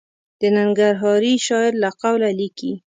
د ننګرهاري شاعر له قوله لیکي.